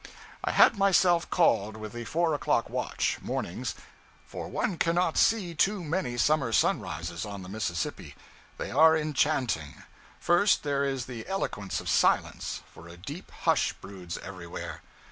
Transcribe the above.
I had myself called with the four o'clock watch, mornings, for one cannot see too many summer sunrises on the Mississippi. They are enchanting. First, there is the eloquence of silence; for a deep hush broods everywhere.